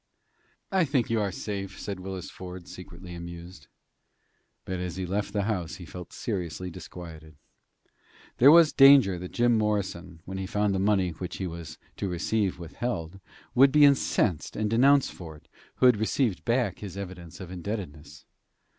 "I think you are safe," said Willis Ford, secretly amused. But, as he left the house, he felt seriously disquieted. There was danger that Jim Morrison, when he found the money which he was to receive withheld, would be incensed and denounce Ford, who had received back his evidence of indebtedness.